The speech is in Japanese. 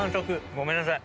ごめんなさい。